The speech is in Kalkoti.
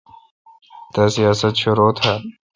تا سیاست شرو تھال۔